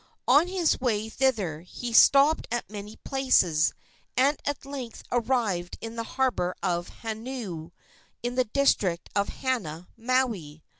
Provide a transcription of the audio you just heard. On his way thither he stopped at many places, and at length arrived in the harbor of Haneoo, in the district of Hana, Maui.